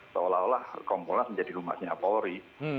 seolah olah komponlas menjadi humasnya polri